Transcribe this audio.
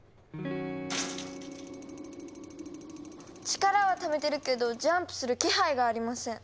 力はためてるけどジャンプする気配がありません。